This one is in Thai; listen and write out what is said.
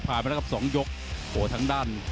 ผ่านไปแล้วกับสองยกทั้งด้าน